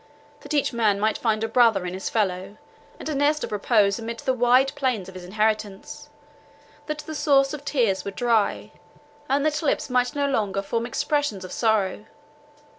that each man might find a brother in his fellow, and a nest of repose amid the wide plains of his inheritance! that the source of tears were dry, and that lips might no longer form expressions of sorrow.